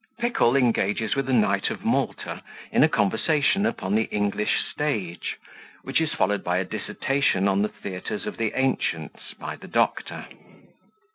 Pickle engages with a Knight of Malta, in a Conversation upon the English Stage, which is followed by a Dissertation on the Theatres of the Ancients, by the Doctor.